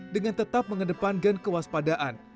dengan tetap mengedepankan kewaspadaan